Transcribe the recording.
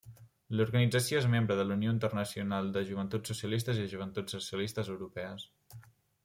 L'organització és membre de la Unió Internacional de Joventuts Socialistes i Joventuts Socialistes Europees.